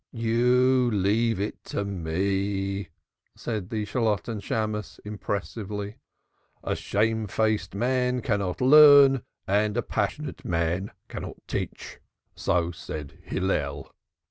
"You leave it to me," said the Shalotten Shammos impressively. "A shamefaced man cannot learn, and a passionate man cannot teach. So said Hillel.